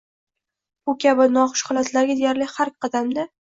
Bu kabi noxush holatlarga deyarli har qadamda.